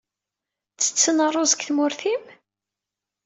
Ttetten rruẓ deg tmurt-im?